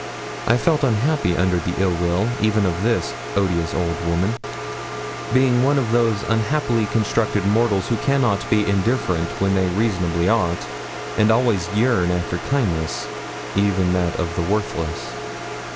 I felt unhappy under the ill will even of this odious old woman, being one of those unhappily constructed mortals who cannot be indifferent when they reasonably ought, and always yearn after kindness, even that of the worthless.